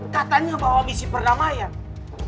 katanya bahwa misi perdamaian